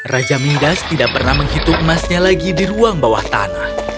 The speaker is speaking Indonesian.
raja mindas tidak pernah menghitung emasnya lagi di ruang bawah tanah